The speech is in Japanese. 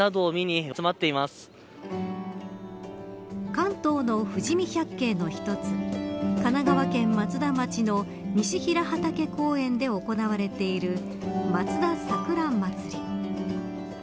関東の富士見百景の一つ神奈川県松田町の西平畑公園で行われているまつだ桜まつり。